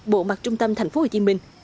bộ mặt trung tâm tp hcm